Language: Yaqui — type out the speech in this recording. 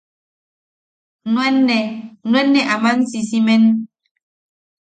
Nuenne nuen aman sisimen.